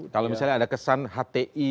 kalau misalnya ada kesan hti